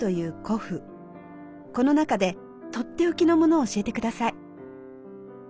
この中で取って置きのものを教えて下さい。